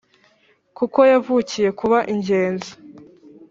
kuko yavukiye kuba ingenzi